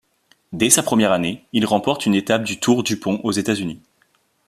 Dès sa première année, il remporte une étape du Tour DuPont aux États-Unis.